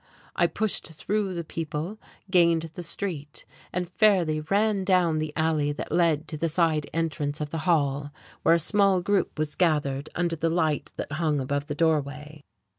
I pushed through the people, gained the street, and fairly ran down the alley that led to the side entrance of the hall, where a small group was gathered under the light that hung above the doorway.